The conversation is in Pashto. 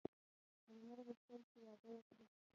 لمر غوښتل چې واده وکړي.